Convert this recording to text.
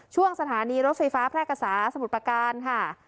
สถานีรถไฟฟ้าแพร่กษาสมุทรประการค่ะ